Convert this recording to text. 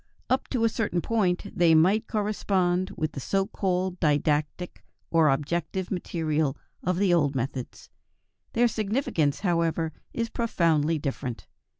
Up to a certain point, they might correspond with the so called didactic or objective material of the old methods. Their significance, however, is profoundly different.